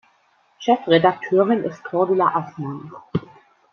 Chefredakteurin ist Cordula Aßmann.